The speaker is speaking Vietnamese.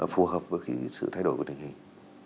phù hợp với sự thay đổi của tình hình